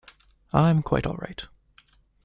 I'm quite all right.